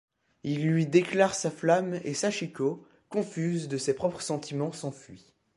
Il lui déclare sa flamme et Sachiko, confuse de ses propres sentiments, s'enfuit.